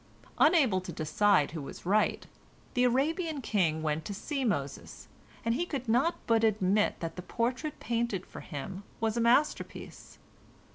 Unable to decide who was right, the Arabian king went to see Moses, and he could not but admit that the portrait painted for him was a masterpiece.